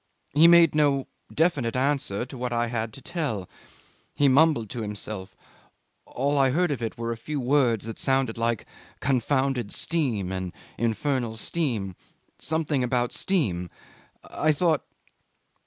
He made no definite answer to what I had to tell. He mumbled to himself; all I heard of it were a few words that sounded like "confounded steam!" and "infernal steam!" something about steam. I thought